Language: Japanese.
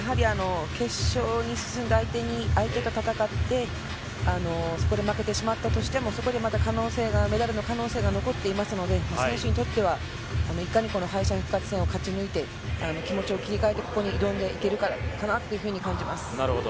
決勝に進んだ相手と戦ってそこで負けてしまったとしてもまだメダルの可能性が残ってますので選手にとってはいかに敗者復活戦を勝ち抜いて気持ちを切り替えて挑んでいけるかかなっというふうに感じます。